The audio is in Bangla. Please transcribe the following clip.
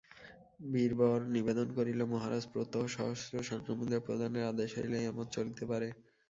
বীরবর নিবেদন করিল মহারাজ প্রত্যহ সহস্র স্বর্ণমুদ্রা প্রদানের আদেশ হইলেই আমার চলিতে পারে।